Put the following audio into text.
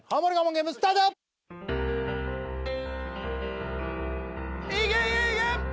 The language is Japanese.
ゲームスタートいけいけいけ！